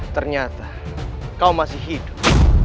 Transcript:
ternyata kau masih hidup